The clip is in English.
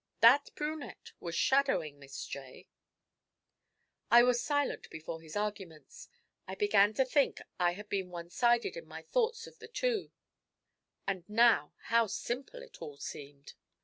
That brunette was shadowing Miss J.' I was silent before his arguments. I began to think I had been one sided in my thoughts of the two; and now how simple it all seemed!